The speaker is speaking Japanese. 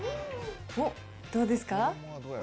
どうですか？